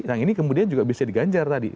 yang ini kemudian juga bisa diganjar tadi